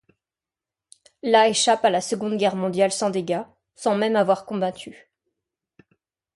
La échappe à la Seconde Guerre mondiale sans dégâts, sans même avoir combattu.